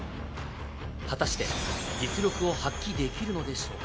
果たして実力を発揮できるのでしょうか？